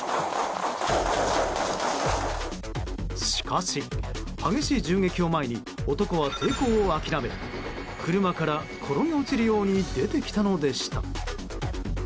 しかし激しい銃撃を前に男は抵抗を諦め車から転げ落ちるように出てきたのでした。